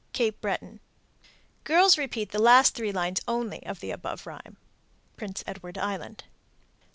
Cape Breton. Girls repeat the last three lines only of the above rhyme. _Prince Edward Island.